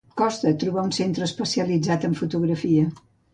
Costa trobar un centre especialitzat en fotografia.